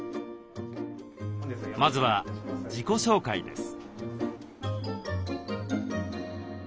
まずは自己紹介です。